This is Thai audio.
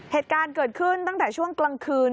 เหตุการณ์เกิดขึ้นตั้งแต่ช่วงกลางคืน